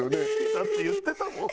だって言ってたもん。